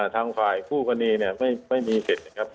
ทางฝ่ายคู่กรณีเนี่ยไม่มีสิทธิ์นะครับ